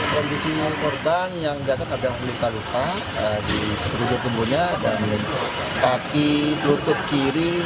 kondisi korban yang jatuh kadang kadang berluka luka di sekutu tembunya dan paki lutut kiri